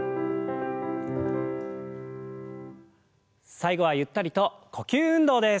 最後はゆったりと呼吸運動です。